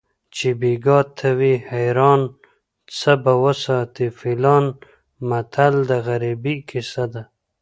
چې بیګا ته وي حیران څه به وساتي فیلان متل د غریبۍ کیسه ده